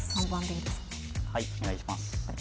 はいお願いします